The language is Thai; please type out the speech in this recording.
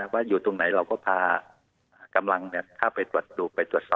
ว่าอยู่ตรงไหนเราก็พากำลังตัวถอดราไปดู